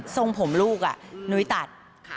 ทรงผมลูกนุ้ยตัด